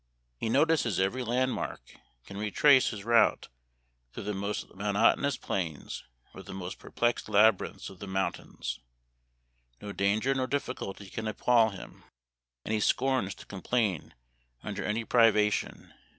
He notices every landmark, can retrace his route through the most monotonous plains or the most perplexed labyrinths of the mount ains ; no danger nor difficulty can appal him, Memoir of Washington Irving. 239 and he scorns to complain under any priva tion.